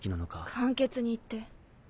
簡潔に言って。